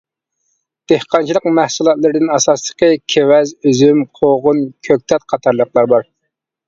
دېھقانچىلىق مەھسۇلاتلىرىدىن ئاساسلىقى كېۋەز، ئۈزۈم، قوغۇن، كۆكتات قاتارلىقلار بار.